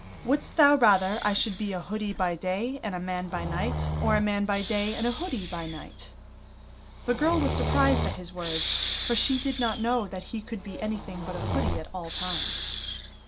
'Wouldst thou rather I should be a hoodie by day and a man by night, or a man by day and a hoodie by night?' The girl was surprised at his words, for she did not know that he could be anything but a hoodie at all times.